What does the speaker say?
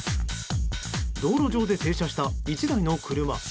道路上で停車した１台の車。